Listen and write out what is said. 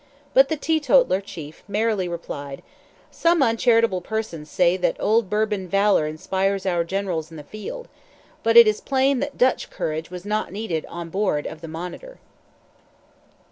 But the teetotaler chief merrily replied: "Some uncharitable persons say that old Bourbon valor inspires our generals in the field, but it is plain that Dutch courage was not needed on board of the _Monitor!